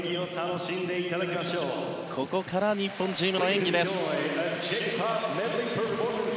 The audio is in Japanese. ここから日本チームの演技です。